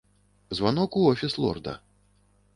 Званок у офіс лорда.